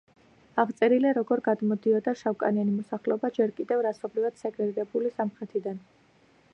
აღწერილია როგორ გადმოდიოდა შავკანიანი მოსახლეობა ჯერ კიდევ რასობრივად სეგრეგირებული სამხრეთიდან.